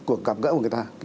cuộc gặp gỡ của người ta